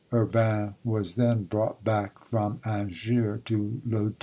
Urbain was then brought back from Angers to Loudun.